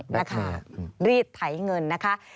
แบล็กเมย์รีดไถเงินนะคะ